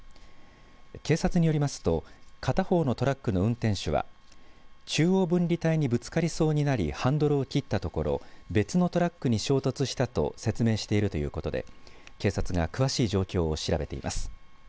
警察によりますと片方のトラックの運転手は中央分離帯にぶつかりそうになりハンドルを切ったところ別のトラックに衝突したと説明しているということで警察が詳しい状況を調べています。